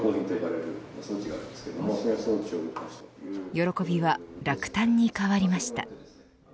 喜びは落胆に変わりました。